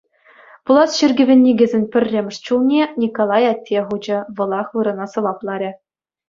Пулас чиркӗвӗн никӗсӗн пӗрремӗш чулне Николай атте хучӗ, вӑлах вырӑна сӑвапларӗ.